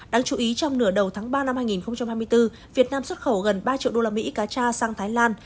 đáng chú ý trong nửa đầu tháng ba năm hai nghìn hai mươi bốn việt nam xuất khẩu gần ba triệu đô la mỹ cá cha sang thái lan